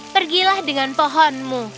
pergilah dengan pohonmu